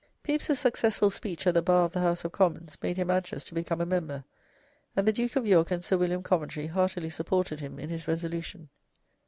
Pepys's successful speech at the bar of the House of Commons made him anxious to become a member, and the Duke of York and Sir William Coventry heartily supported him in his resolution.